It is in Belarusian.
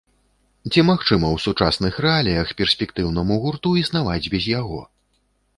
Ці магчыма ў сучасных рэаліях перспектыўнаму гурту існаваць без яго?